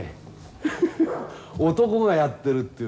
ハハハ男がやってるっていう。